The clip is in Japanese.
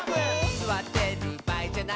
「すわってるばあいじゃない」